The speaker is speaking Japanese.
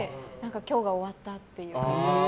今日が終わったという感じで。